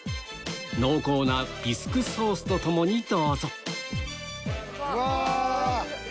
濃厚なビスクソースと共にどうぞうわ！